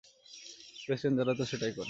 Space রেঞ্জাররা তো সেটাই করে।